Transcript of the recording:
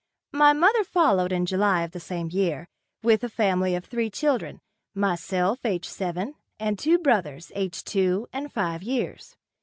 My mother followed in July of the same year, with the family of three children, myself, aged seven, and two brothers aged two and five years.